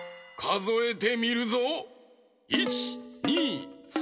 かぞえてみるぞ。